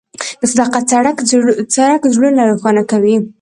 د صداقت څرک زړونه روښانه کوي.